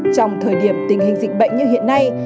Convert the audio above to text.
trong thời điểm tình hình dịch bệnh như hiện nay